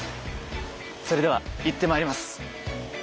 それでは行ってまいります。